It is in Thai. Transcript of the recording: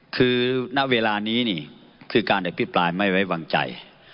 คือณเวลานี้นี่คือการอภิปรายไม่ไว้วางใจ